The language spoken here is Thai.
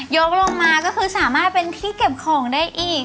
ลงมาก็คือสามารถเป็นที่เก็บของได้อีก